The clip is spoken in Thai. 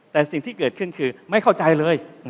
แต่สิ่งที่เกิดขึ้นคือไม่เข้าใจเลย